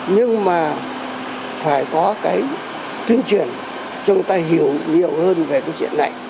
nhưng mà phải có cái tuyên truyền cho người ta hiểu nhiều hơn về cái chuyện này